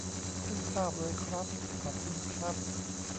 เพิ่งทราบเลยครับ ขอบคุณครับ